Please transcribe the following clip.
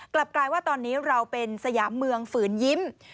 กลับกลายว่าตอนนี้เราเป็นสยามเมืองฝืนยิ้ม